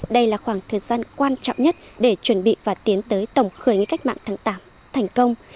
đây là khoảng thời gian quan trọng nhất để chuẩn bị và tiến tới tổng khởi nghĩa cách mạng tháng tám thành công